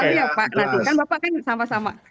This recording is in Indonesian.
nanti kan bapak kan sama sama